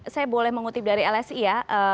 saya boleh mengutip dari lsi ya